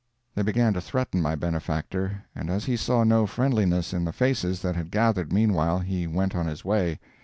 They began to threaten my benefactor, and as he saw no friendliness in the faces that had gathered meanwhile, he went on his way.